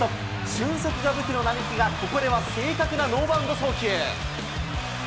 俊足が武器の並木が、ここでは正確なノーバウンド送球。